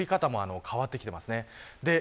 降り方も変わってきています。